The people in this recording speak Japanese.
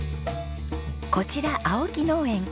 こちら青木農園。